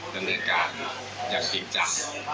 ดำเนินการอย่างจริงจัง